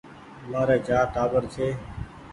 مآري چآر ٽآٻر ڇي